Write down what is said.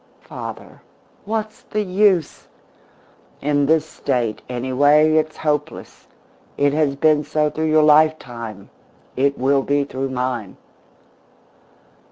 Father, what's the use? In this State, anyway, it's hopeless. It has been so through your lifetime; it will be through mine."